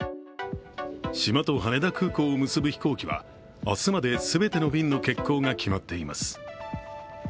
島と羽田空港を結ぶ飛行機は明日まで全ての便の欠航が決まっています。